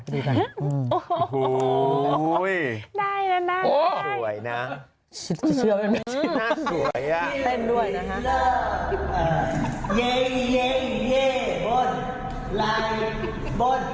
ขอเธอเต้นด้วยไปดูกัน